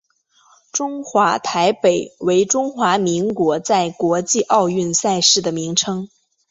中华台北为中华民国在国际奥运赛事的名称。